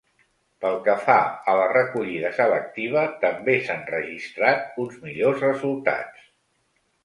Pel que fa a la recollida selectiva també s’han registrat uns millors resultats.